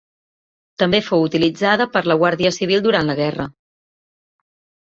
També fou utilitzada per la Guàrdia Civil durant la Guerra.